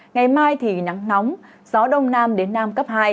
ngày mai thì nắng nóng gió đông nam đến nam cấp hai